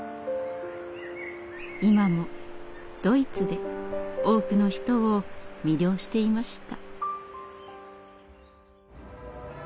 今もドイツで多くの人を魅了していました。